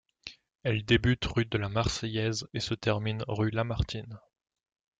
Elle débute rue de la Marseillaise et se termine rue Lamartine.